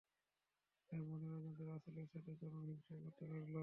তাই মনের অজান্তে রাসূলের সাথে চরম হিংসা করতে লাগল।